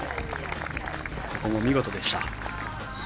ここも見事でした。